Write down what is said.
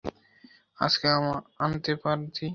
আজকেই আনতে পারতি।